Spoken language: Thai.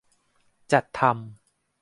จัดทำ